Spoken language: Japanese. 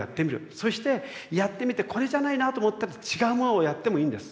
そしてやってみてこれじゃないなと思ったら違うものをやってもいいんです。